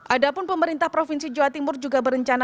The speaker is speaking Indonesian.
ada pun pemerintah provinsi jawa timur juga berencana